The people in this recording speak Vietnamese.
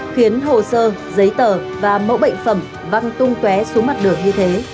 khiến hồ sơ giấy tờ và mẫu bệnh phẩm văng tung qué xuống mặt đường như thế